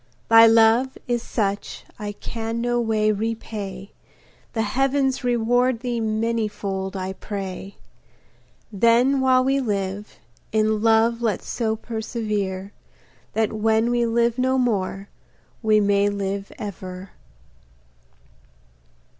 Thy love is such I can no way repay, The heavens reward thee manifold, I pray. Then while we live, in love let's so perservere That when we live no more, we may live ever.